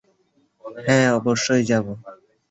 হ্যাঁ, অবশ্যই যাবো।